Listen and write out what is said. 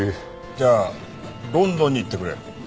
じゃあロンドンに行ってくれ。